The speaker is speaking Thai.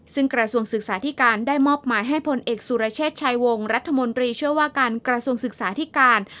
ซึ่งกระทรวงศึกษาธิการได้มอบหมายให้ผลเอกสุรเชษฐ์ชายวงรัฐมนตรีช่วยว่าการกระทรวงศึกษาธิการ